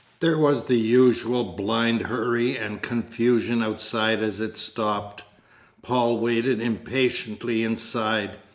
There was the usual blind hurry and confusion outside as it stopped. Paul waited impatiently inside.